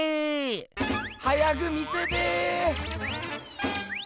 早く見せて！